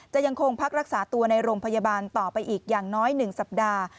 ยังคงพักรักษาตัวในโรงพยาบาลต่อไปอีกอย่างน้อย๑สัปดาห์